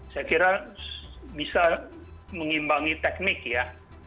saya kira bisa mengimbangi teknik ya